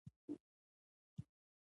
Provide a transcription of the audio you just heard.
ډېر یې ستړی کړم خو یو هم مړ نه شو.